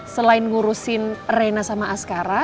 selain ngurusin rena sama askara